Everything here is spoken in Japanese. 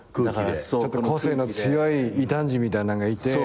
個性の強い異端児みたいなんがいて。